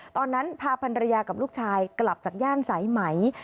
ตอนนั้นพาพันรยากับลูกชายกลับจากย่านสายไหม